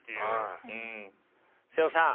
妹尾さん。